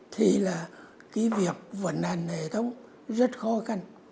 thì là cái việc vận hành hệ thống rất khó khăn